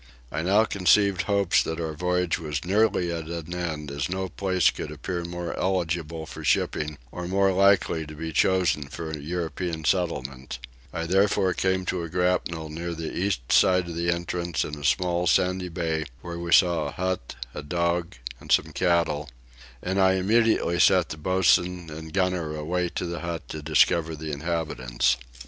I now conceived hopes that our voyage was nearly at an end as no place could appear more eligible for shipping or more likely to be chosen for a European settlement: I therefore came to a grapnel near the east side of the entrance in a small sandy bay where we saw a hut, a dog, and some cattle, and I immediately sent the boatswain and gunner away to the hut to discover the inhabitants.